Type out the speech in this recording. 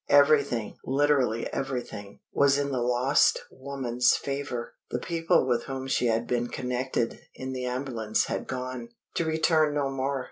Everything, literally everything, was in the lost woman's favor. The people with whom she had been connected in the ambulance had gone, to return no more.